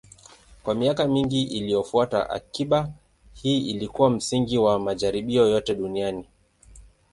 Kwa miaka mingi iliyofuata, akiba hii ilikuwa msingi wa majaribio yote duniani.